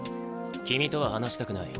君とは話したくない。